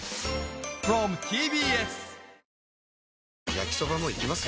焼きソバもいきます？